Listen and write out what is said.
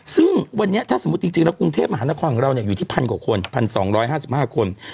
ซึ่งวันนี้ถ้าสมมุติจริงแล้วกรุงเทพมหานครของเราอยู่ที่๑๐๐กว่าคน๑๒๕๕คน